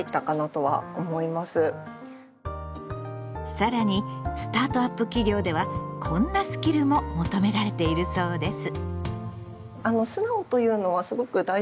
更にスタートアップ企業ではこんなスキルも求められているそうです。